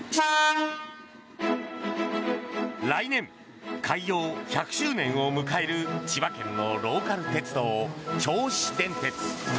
来年開業１００周年を迎える千葉県のローカル鉄道銚子電鉄。